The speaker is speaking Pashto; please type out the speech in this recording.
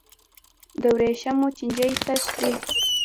د ورېښمو چینجی څه خوري؟